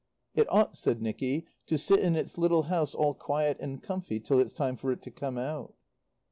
"It ought," said Nicky, "to sit in its little house all quiet and comfy till it's time for it to come out."